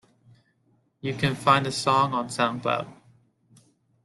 You can find the song on soundcloud.